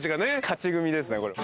勝ち組ですねこれ。